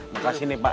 makasih nih pak